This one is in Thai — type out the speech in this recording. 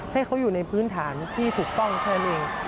ให้เขาอยู่ในพื้นฐานที่ถูกต้องแค่นั้นเอง